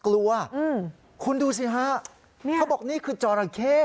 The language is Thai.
กลัวคุณดูสิครับเขาบอกนี่คือจอร่